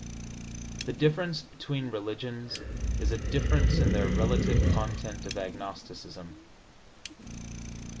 ... The difference between religions is a difference in their relative content of agnosticism.